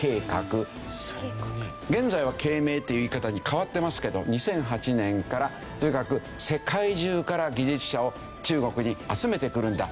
現在は「啓明」っていう言い方に変わってますけど２００８年からとにかく世界中から技術者を中国に集めてくるんだ千